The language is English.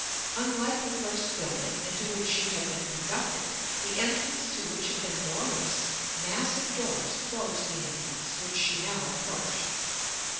Unlike the first building into which she had been conducted, the entrance to which had been doorless, massive doors closed the entrance which she now approached.